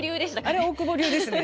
あれ大久保流ですね。